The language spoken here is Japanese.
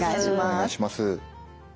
お願いします。